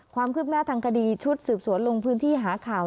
ความคืบหน้าทางคดีชุดสืบสวนลงพื้นที่หาข่าว